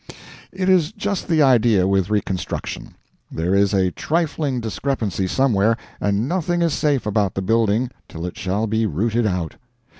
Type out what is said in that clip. It is just the idea with reconstruction. There is a trifling discrepancy somewhere, and nothing is safe about the building till it shall be rooted out.